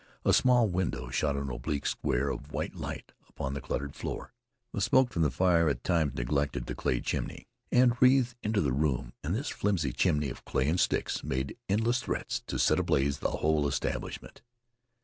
A small window shot an oblique square of whiter light upon the cluttered floor. The smoke from the fire at times neglected the clay chimney and wreathed into the room, and this flimsy chimney of clay and sticks made endless threats to set ablaze the whole establishment.